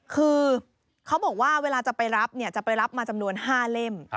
คือเขาบอกว่าเวลาจะไปรับจะไปรับมาจำนวน๕เล่ม